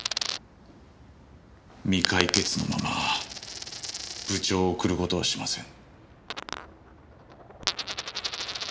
未解決のまま部長を送る事はしません。